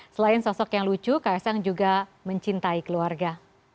selain sosok yang lucu ks ang juga mencintai keluarga